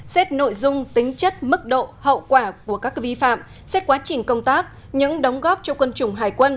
xét nội dung tính chất mức độ hậu quả của các vi phạm xét quá trình công tác những đóng góp cho quân chủng hải quân